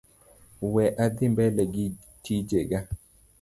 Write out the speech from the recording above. We adhi mbele gi tijega.